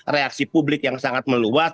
reaksi publik yang sangat meluas